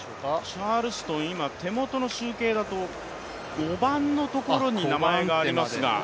チャールストン、今手元の集計だと５番のところに名前が入っていますが。